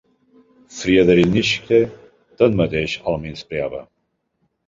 Friedrich Nietzsche, tanmateix, els menyspreava.